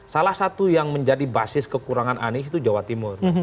salah satu yang menjadi basis kekurangan anies itu jawa timur